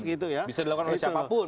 bisa dilakukan oleh siapapun